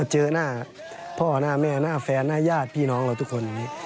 เจอหน้าพ่อหน้าแม่หน้าแฟนหน้าญาติพี่น้องเราทุกคน